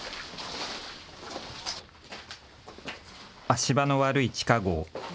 足場の悪い地下ごう。